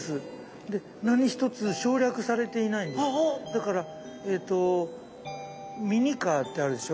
だからえとミニカーってあるでしょ。